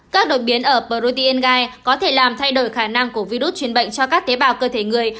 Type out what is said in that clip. các đột biến ở protein gai có thể làm thay đổi khả năng của virus truyền bệnh cho các tế bào cơ thể người